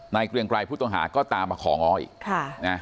เกรียงไกรผู้ต้องหาก็ตามมาของ้ออีก